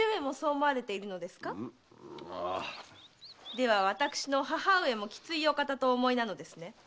では私の母上もきつい御方とお思いなのですね？